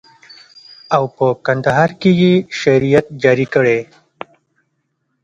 او په کندهار کښې يې شريعت جاري کړى.